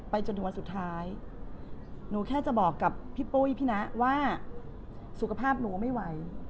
จนถึงวันสุดท้ายหนูแค่จะบอกกับพี่ปุ้ยพี่นะว่าสุขภาพหนูไม่ไหว